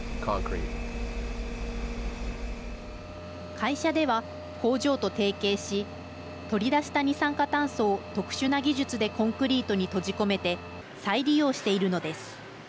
会社では工場と提携し取り出した二酸化炭素を特殊な技術でコンクリートに閉じ込めて再利用しているのです。